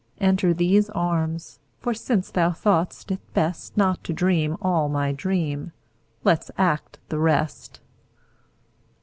Enter these arms, for since thou thought'st it bestNot to dream all my dream, let's act the rest.